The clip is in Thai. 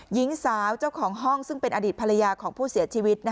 หญิงสาวเจ้าของห้องซึ่งเป็นอดีตภรรยาของผู้เสียชีวิต